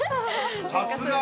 さすが！